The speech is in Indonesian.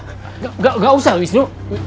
enggak enggak usah wisnu